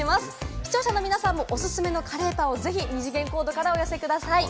視聴者の皆さんもおすすめのカレーパンをぜひ二次元コードからお寄せください。